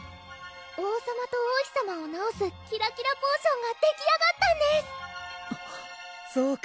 王さまと王妃さまをなおすキラキラポーションができあがったんですそうか